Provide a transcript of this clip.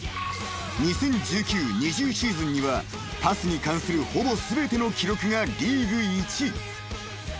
［２０１９−２０シーズンにはパスに関するほぼ全ての記録がリーグ１位］